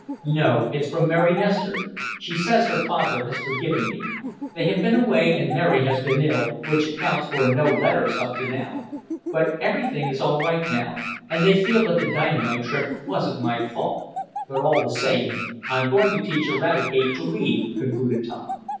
"No it's from Mary Nestor. She says her father has forgiven me. They have been away, and Mary has been ill, which accounts for no letters up to now. But everything is all right now, and they feel that the dynamite trick wasn't my fault. But, all the same, I'm going to teach Eradicate to read," concluded Tom.